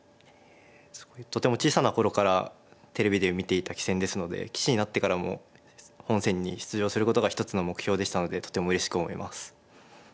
とても小さな頃からテレビで見ていた棋戦ですので棋士になってからも本戦に出場することが一つの目標でしたのでとてもうれしく思います。